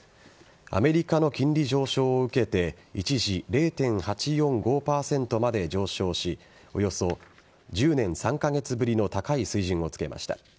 アメリカの金利上昇を受けて一時０．８４５％まで上昇しおよそ１０年３カ月ぶりの高い水準をつけました。